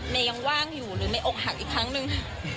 ยังว่างอยู่หรือไม่อกหักอีกครั้งหนึ่ง